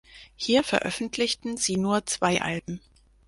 Hier veröffentlichten sie nur zwei Alben.